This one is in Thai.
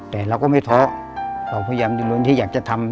แต่เราก็ไม่ท้อเราพยายามจะลุ้นที่อยากจะทำ